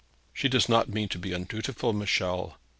'She does not mean to be undutiful, Michel.'